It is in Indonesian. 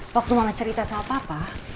waktu mana cerita sama papa